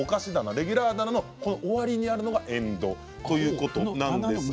レギュラー棚の終わりにあるのがエンドということです。